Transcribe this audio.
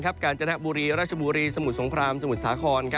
กาญจนบุรีราชบุรีสมุทรสงครามสมุทรสาคร